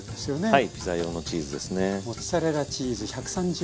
はいピザ用のチーズですね。